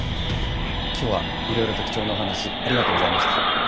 今日はいろいろと貴重なお話ありがとうございました。